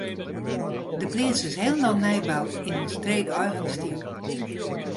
De pleats is hielendal nij boud yn in streekeigen styl.